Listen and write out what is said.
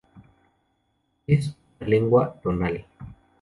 Es una lengua tonal.